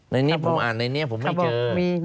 ในนี้ผมอ่านในนี้ผมไม่เจอ